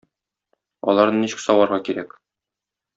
Аларны ничек саварга кирәк?